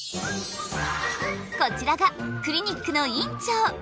こちらがクリニックの院長！